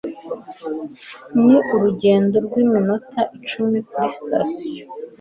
Ni urugendo rw'iminota icumi kuri sitasiyo.